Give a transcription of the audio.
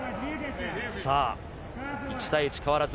さあ、１対１、変わらず。